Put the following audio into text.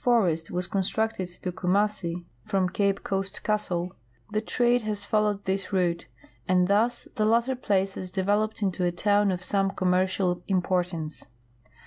French 4 THE GOLD COAST, ASHANTI, AND KUMASSl from Cape Coast Castle, the trade has followed this route, and thus the latter place has developed into a town of some commer cial importance.